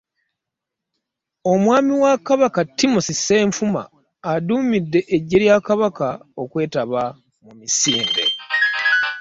Omwami wa Kabaka Timothy Ssenfuma aduumidde eggye lya Kabaka okwetaba mu misinde